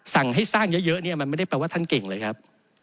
สั่งให้สร้างเยอะเนี่ยมันไม่ได้แปลว่าท่านเก่งเลยครับ